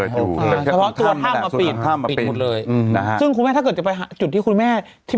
เจออยู่แต่เจ้าทำมาจุดภรรยามมาริมเลยนะนะฮะให้เจ้าจะไปจุดที่คุณแม่ที่